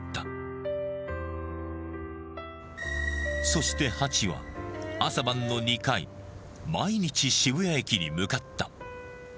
そしてハチは朝晩の２回毎日渋谷駅に向かった